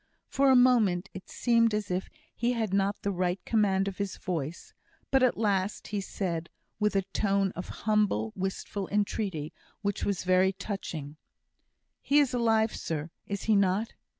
For a moment it seemed as if he had not the right command of his voice: but at last he said, with a tone of humble, wistful entreaty, which was very touching: "He is alive, sir; is he not?"